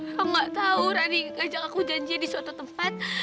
aku gak tahu rani ngajak aku janji di suatu tempat